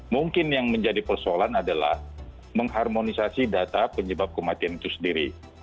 mungkin yang menjadi persoalan adalah mengharmonisasi data penyebab kematian itu sendiri